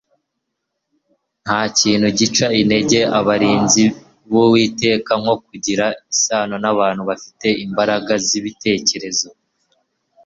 nta kintu gica intege abarinzi b'uwiteka nko kugirana isano n'abantu bafite imbaraga z'ibitekerezo